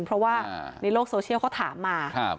เพราะว่าในโลกโซเชียลเขาถามมา